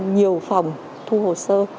nhiều phòng thu hồ sơ